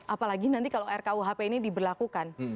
apalagi nanti kalau rkuhp ini diberlakukan